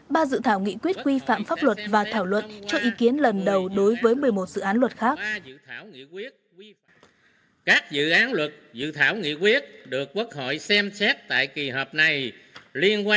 ba dự thảo nghị quyết quy phạm pháp luật và thảo luận cho ý kiến lần đầu đối với một mươi một dự án luật khác